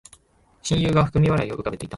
親友が含み笑いを浮かべていた